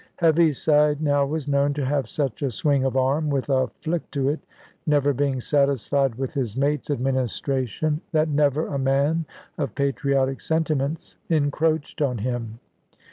Heaviside now was known to have such a swing of arm, with a flick to it, never being satisfied with his mate's administration, that never a man of patriotic sentiments encroached on him.